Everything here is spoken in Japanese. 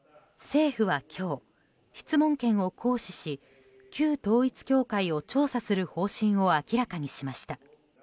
政府は今日、質問権を行使し旧統一教会を調査する方針を明らかにしました。